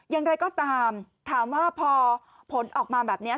อย่างไรก็ตามถามว่าพอผลออกมาแบบนี้